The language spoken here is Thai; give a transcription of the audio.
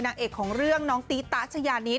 นางเอกของเรื่องน้องตีตะชายานิด